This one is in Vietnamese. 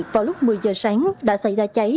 vào lúc một mươi giờ sáng đã xảy ra cháy